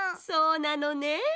そうなのね。